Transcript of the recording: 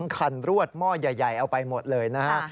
คันรวดหม้อใหญ่เอาไปหมดเลยนะฮะ